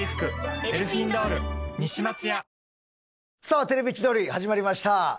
さあ『テレビ千鳥』始まりました。